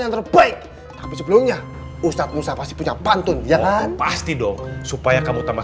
yang terbaik tapi sebelumnya ustadz musa pasti punya pantun jangan pasti dong supaya kamu tambah